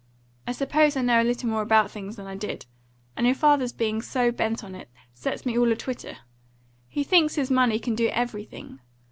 I suppose I know a little more about things than I did; and your father's being so bent on it sets me all in a twitter. He thinks his money can do everything.